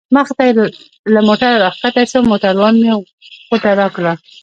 مخې ته یې له موټره را کښته شوم، موټروان مې غوټه راکړه.